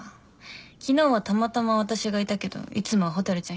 昨日はたまたま私がいたけどいつもは蛍ちゃん